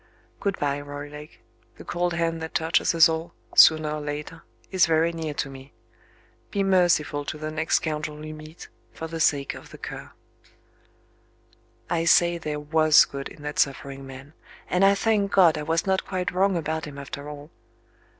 Good bye, Roylake. The cold hand that touches us all, sooner or later, is very near to me. Be merciful to the next scoundrel you meet, for the sake of The Cur." I say there was good in that suffering man; and I thank God I was not quite wrong about him after all.